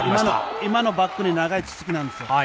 今のバックに長いツッツキなんですよ。